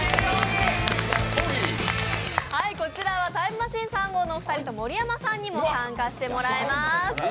こちらはタイムマシーン３号のお二人と盛山さんにも参加してもらいます。